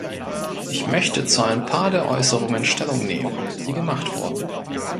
Ich möchte zu ein paar der Äußerungen Stellung nehmen, die gemacht wurden.